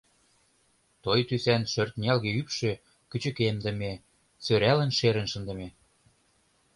Той тӱсан шӧртнялге ӱпшӧ кӱчыкемдыме, сӧралын шерын шындыме.